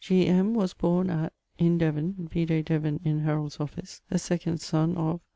was borne at ... in Devon (vide Devon in Heralds' Office), a second son of